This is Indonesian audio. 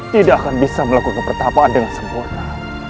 tidak akan bisa melakukan pertapaan dengan sempurna